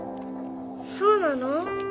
そうなの？